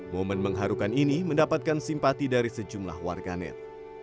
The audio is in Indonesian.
momen mengharukan ini mendapatkan simpati dari sejumlah warganet